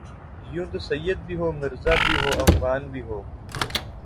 یوں تو سید بھی ہو مرزابھی ہوافغان بھی ہو